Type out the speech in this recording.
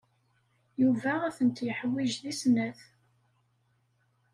Yuba ad tent-yeḥwij deg snat.